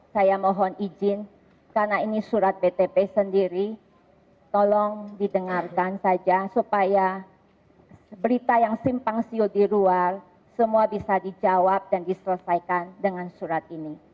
saya mohon izin karena ini surat btp sendiri tolong didengarkan saja supaya berita yang simpang siur di luar semua bisa dijawab dan diselesaikan dengan surat ini